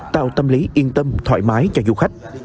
tạo tâm lý yên tâm thoải mái cho du khách